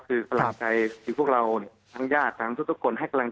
คือชื่อปรากฏไทยที่พวกเราทั้งญาติทั้งทุกคนให้กำลัง